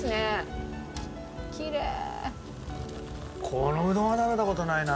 このうどんは食べた事ないな。